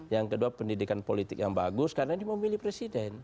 yang kedua pendidikan politik yang bagus karena ini mau milih presiden